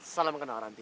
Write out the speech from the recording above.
salam mengenal ranti